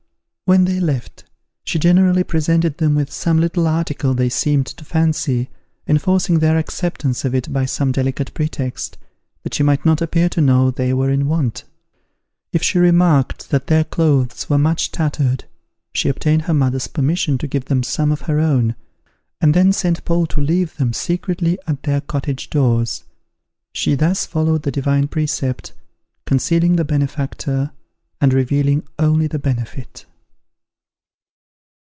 When they left, she generally presented them with some little article they seemed to fancy, enforcing their acceptance of it by some delicate pretext, that she might not appear to know they were in want. If she remarked that their clothes were much tattered, she obtained her mother's permission to give them some of her own, and then sent Paul to leave them, secretly at their cottage doors. She thus followed the divine precept, concealing the benefactor, and revealing only the benefit.